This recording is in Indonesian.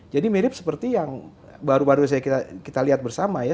jadi mirip seperti yang baru baru saja kita lihat bersama ya